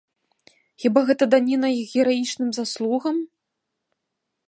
Хіба гэта даніна іх гераічным заслугам?